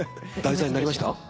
題材になりました？